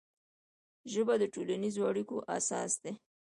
ژبه د ټولنیزو اړیکو اساس دی